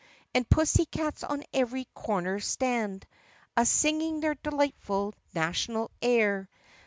And pussycats on every corner stand A singing their delightful national air.